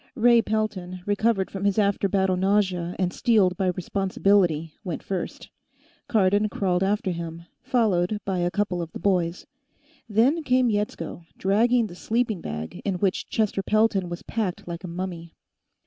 Ray Pelton, recovered from his after battle nausea and steeled by responsibility, went first. Cardon crawled after him, followed by a couple of the boys. Then came Yetsko, dragging the sleeping bag in which Chester Pelton was packed like a mummy.